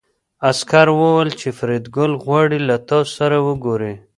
عسکر وویل چې فریدګل غواړي له تاسو سره وګوري